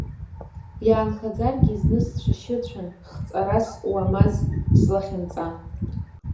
Иаанхаӡаргьы зны сцәашьы ыцәан, хҵарас уамаз слахьынҵа.